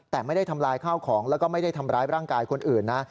แต่ไม่ได้ทำลายข้าวของแล้วก็ไม่ได้ทำร้ายร่างกายคนอื่นนะ